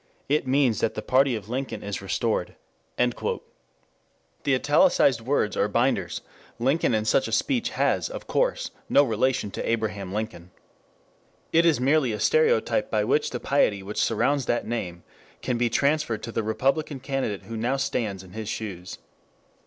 _ It means that the party of Lincoln is restored...." The italicized words are binders: Lincoln in such a speech has of course, no relation to Abraham Lincoln. It is merely a stereotype by which the piety which surrounds that name can be transferred to the Republican candidate who now stands in his shoes.